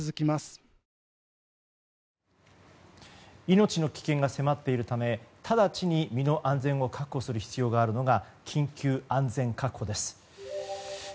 命の危険が迫っているため直ちに身の安全を確保する必要があるのが緊急安全確保です。